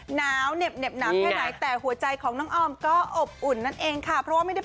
หนาวเหน็บน้ำแค่ไหนแต่หัวใจของน้องออมก็อบอุ่นนั่นเองค่ะ